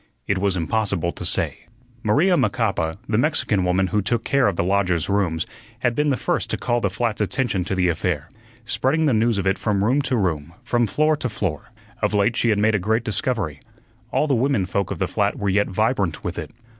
It was impossible to say. Maria Macapa, the Mexican woman who took care of the lodgers' rooms, had been the first to call the flat's attention to the affair, spreading the news of it from room to room, from floor to floor. Of late she had made a great discovery; all the women folk of the flat were yet vibrant with it.